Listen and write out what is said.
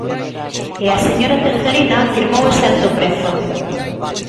E a señora Tejerina firmou ese alto prezo.